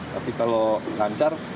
tapi kalau lancar